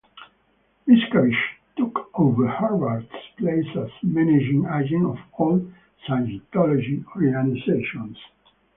Miscavige took over Hubbard's place as managing agent of all Scientology organizations.